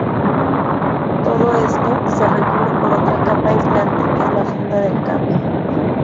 Todo esto se recubre por otra capa aislante que es la funda del cable.